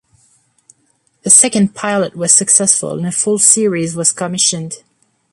The second pilot was successful and a full series was commissioned.